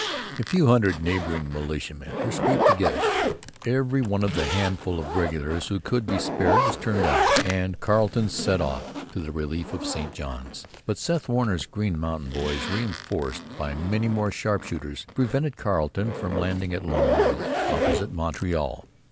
A few hundred neighbouring militiamen were scraped together. Every one of the handful of regulars who could be spared was turned out. And Carleton set off to the relief of St Johns. But Seth Warner's Green Mountain Boys, reinforced by many more sharpshooters, prevented Carleton from landing at Longueuil, opposite Montreal.